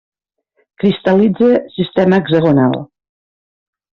Cristal·litza sistema hexagonal.